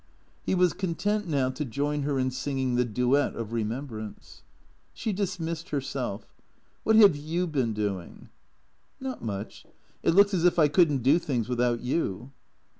He was content now to join her in singing the duet of re membrance. She dismissed herself. " What have you been doing ?"" ISFot much. It looks as if I could n't do things without you."